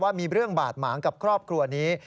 มีเรื่องบาดหมางกับครอบครัวนี้